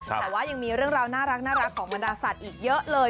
แต่ว่ายังมีเรื่องราวน่ารักของบรรดาสัตว์อีกเยอะเลย